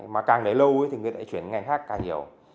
mà càng để lâu thì người ta chuyển ngành khác càng nhiều